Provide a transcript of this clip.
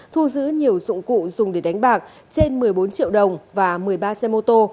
thu giữ nhiều dụng cụ dùng để đánh bạc trên một mươi bốn triệu đồng và một mươi ba xe mô tô